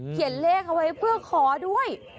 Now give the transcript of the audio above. เขียนเลขเอาไว้เพื่อขอด้วย